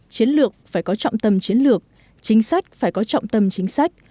chiến lược phải có trọng tâm chiến lược chính sách phải có trọng tâm chính sách